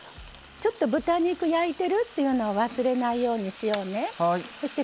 ちょっと豚肉、焼いてるっていうのを忘れないようにしようね。